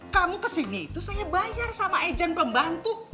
kamu kesini itu saya bayar sama agent pembantu